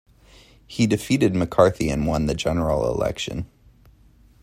He defeated McCarthy and won the general election.